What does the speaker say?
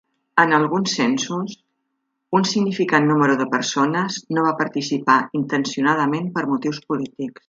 En alguns censos, un significant número de persones no van participar intencionadament per motius polítics.